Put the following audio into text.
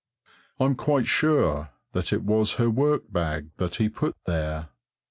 I'm quite sure that it was her work bag that he put there.